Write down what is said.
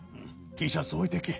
Ｔシャツおいてけ。